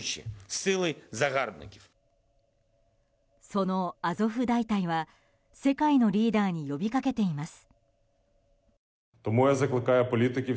そのアゾフ大隊は世界のリーダーに呼びかけています。